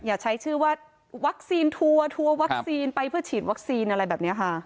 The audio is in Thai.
อย่าใช้ชื่อว่าวัคซีนทัวร์ทัวร์วัคซีนไปเพื่อฉีดวัคซีนอะไรแบบนี้ค่ะ